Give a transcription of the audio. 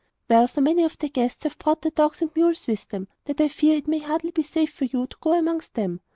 'Well, so many of the guests have brought their dogs and mules with them, that I fear it may hardly be safe for you to go amongst them.